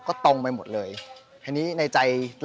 ชื่องนี้ชื่องนี้ชื่องนี้ชื่องนี้ชื่องนี้